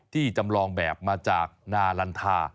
จำลองแบบมาจากนาลันทา